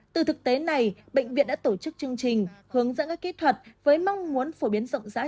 từ thực tế này bệnh viện đã tổ chức chương trình hướng dẫn các kỹ thuật với mong muốn phổ biến rộng rãi